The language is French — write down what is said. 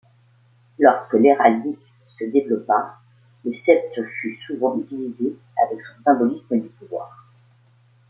Lorsque l'héraldique se développa, le sceptre fut souvent utilisé avec son symbolisme du pouvoir.